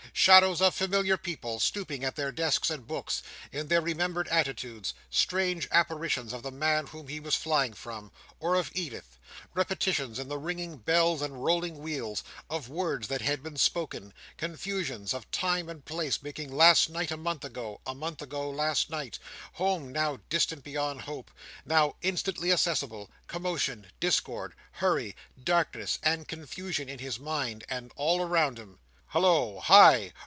Shadows of familiar people, stooping at their desks and books, in their remembered attitudes; strange apparitions of the man whom he was flying from, or of Edith; repetitions in the ringing bells and rolling wheels, of words that had been spoken; confusions of time and place, making last night a month ago, a month ago last night—home now distant beyond hope, now instantly accessible; commotion, discord, hurry, darkness, and confusion in his mind, and all around him.—Hallo! Hi!